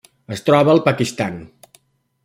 Es troba al Pakistan.